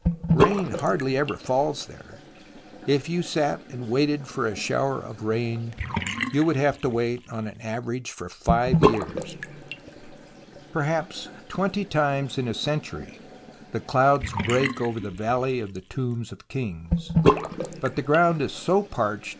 Rain hardly ever falls there. ... If you sat and waited for a shower of rain, you would have to wait on an average for five years ! Perhaps twenty times in a century the clouds break over the Valley of the Tombs of the Kings, but the ground is so parched <> c O h > 14 J ■J £■< t" w w u a h w u Q J